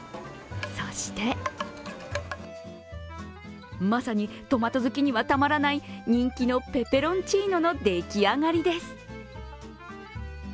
そして、まさにトマト好きにはたまらない人気のペペロンチーノの出来上がりです。